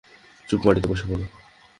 চুপ, মাটিতে বসে পড়।